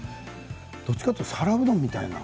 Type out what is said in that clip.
どちらかというと皿うどんみたいな。